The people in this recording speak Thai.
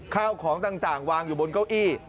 ข้าวของต่างวางอยู่บนเก้าอี้